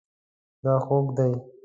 دا خوږ دی